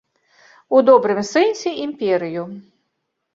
У добрым сэнсе імперыю.